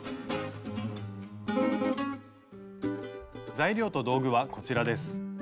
材料と道具はこちらです。